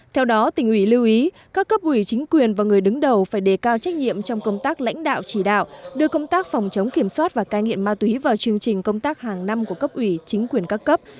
theo đó tỉnh ủy lưu ý các cấp ủy chính quyền và người đứng đầu phải đề cao trách nhiệm trong công tác lãnh đạo chỉ đạo đưa công tác phòng chống kiểm soát và cai nghiện ma túy vào chương trình công tác hàng năm của cấp ủy chính quyền các cấp